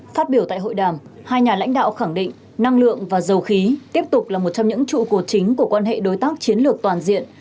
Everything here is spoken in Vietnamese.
phát biểu tại hội đàm hai nhà lãnh đạo khẳng định năng lượng và dầu khí tiếp tục là một trong những trụ cột chính của quan hệ đối tác chiến lược toàn diện